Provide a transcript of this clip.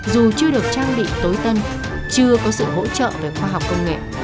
dù chưa được trang bị tối tân chưa có sự hỗ trợ về khoa học công nghệ